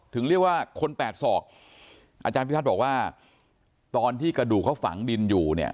เรียกว่าคนแปดศอกอาจารย์พิพัฒน์บอกว่าตอนที่กระดูกเขาฝังดินอยู่เนี่ย